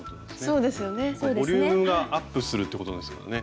ボリュームがアップするってことなんですかね